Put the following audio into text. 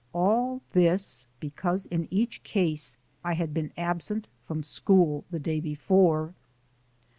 All this because in each case I had been absent from school the day before.